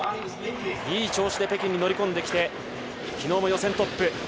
いい調子で北京に乗り込んできて昨日も予選トップ。